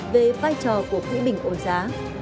về vai trò của thủy bình ổn giá